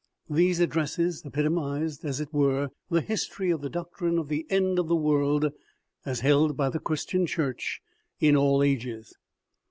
These addresses epitomized, as it were, the history of the doctrine of the end of the world as held by the Christian Church in all ages.